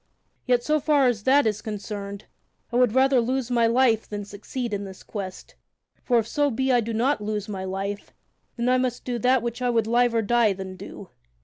Yet, so far as that is concerned, I would rather lose my life than succeed in this quest, for if so be I do not lose my life, then I must do that which I would liever die than do.